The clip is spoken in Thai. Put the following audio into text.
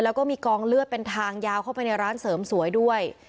แล้วก็มีกองเลือดเป็นทางยาวเข้าไปในร้านเสริมสวยด้วย